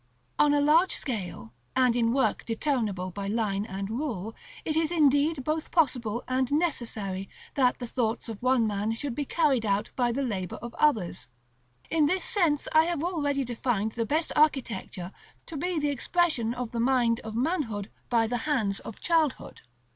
On a large scale, and in work determinable by line and rule, it is indeed both possible and necessary that the thoughts of one man should be carried out by the labor of others; in this sense I have already defined the best architecture to be the expression of the mind of manhood by the hands of childhood.